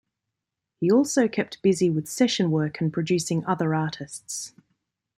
He also kept busy with session work and producing other artists.